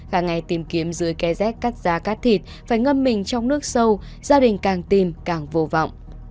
cả ngày tìm kiếm dưới ké rét cắt giá cắt thịt phải ngâm mình trong nước sâu gia đình càng tìm càng vô vọng